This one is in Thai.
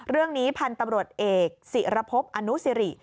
เรื่องนี้พันธุ์ตำรวจเอกศิรพบอนุสิริ